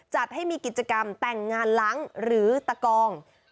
จัดให้มีกิจกรรมแต่งงานหลังหรือตะกอง